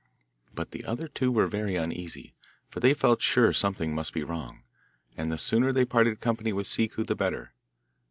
But the other two were very uneasy, for they felt sure something must be wrong, and the sooner they parted company with Ciccu the better.